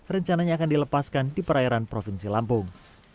rencananya akan dilepaskan di perairan provinsi lampung